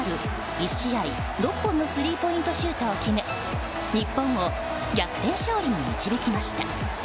１試合６本のスリーポイントシュートを決め日本を逆転勝利に導きました。